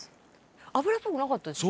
「脂っぽくなかったです」